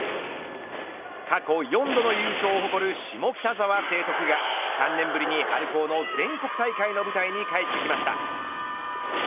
過去４度の優勝を誇る下北沢成徳が、３年ぶりに春高の全国大会の舞台に帰ってきました。